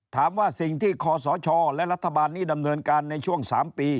ถามว่าสิ่งที่คอสชและรัฐบาลนี้ดำเนินการในช่วง๓ปี